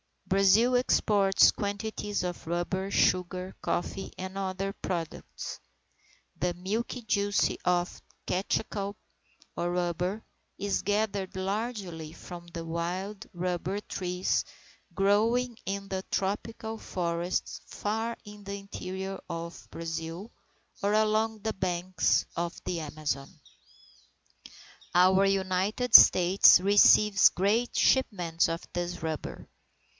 Brazil exports quantities of rubber, sugar, coffee, and other products. The milky juice of the caoutchouc or rubber, is gathered largely from the wild rubber trees growing in the tropical forests far in the interior of Brazil, or along the banks of the Amazon. Our United States receives great shipments of this rubber.